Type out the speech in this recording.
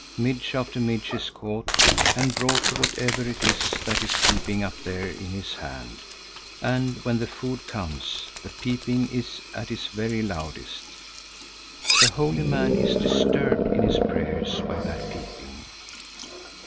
Midge after midge is caught and brought to whatever it is that is peeping up there in his hand. And when the food comes, the peeping is at its very loudest. The holy man is disturbed in his prayers by that peeping.